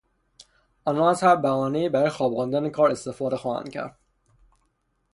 آنها از هر بهانهای برای خواباندن کار استفاده خواهند کرد.